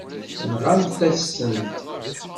Tenɣamt-as-tent.